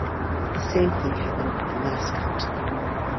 The same thing happened with the mascot.